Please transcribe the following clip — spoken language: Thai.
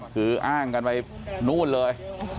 คืออ้างกันไปนู่นเลย